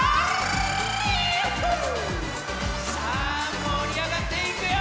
さあもりあがっていくよ！